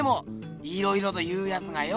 いろいろと言うやつがよ。